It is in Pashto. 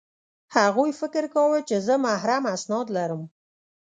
هغوی فکر کاوه چې زه محرم اسناد لرم